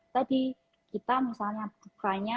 tadi kita misalnya bukanya